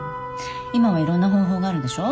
今はいろんな方法があるでしょ。